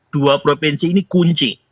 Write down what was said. dua provinsi ini kunci